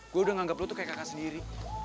gue udah nganggep lo tuh kayak kakak sendiri